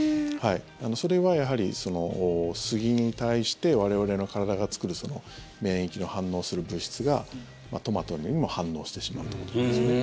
それはやはり、杉に対して我々の体が作る免疫の反応する物質がトマトにも反応してしまうということですよね。